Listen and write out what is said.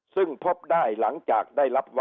ซึ่งพบได้หลังจากได้รับ